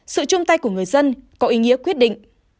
sự chung tay của người dân có ý nghĩa quyết định